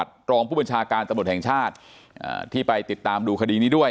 รองผู้บัญชาการตำรวจแห่งชาติที่ไปติดตามดูคดีนี้ด้วย